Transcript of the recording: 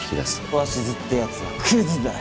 鷲津ってやつはくずだよ。